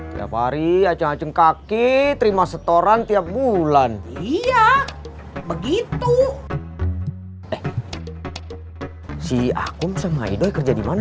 tiap hari aceh kaki terima setoran tiap bulan iya begitu eh si akum semuanya kerja di mana